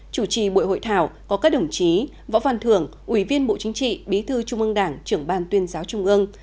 chủ trì buổi hội thảo có các đồng chí võ văn thưởng ủy viên bộ chính trị bí thư trung ương đảng trưởng ban tuyên giáo trung ương